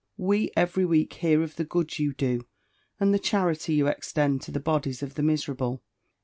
We every week hear of the good you do, and the charity you extend to the bodies of the miserable.